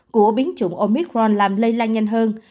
của biến chủng omicron làm lây lan nhanh hơn